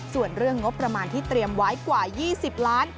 ส่วนเรื่องงบประมาณที่เตรียมไว้กว่า๒๐ล้าน